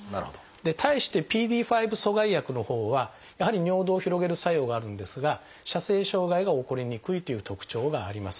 で対してＰＤＥ５阻害薬のほうはやはり尿道を広げる作用があるんですが射精障害が起こりにくいという特徴があります。